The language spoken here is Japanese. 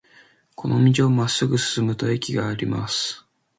この道をまっすぐ進むと駅があります。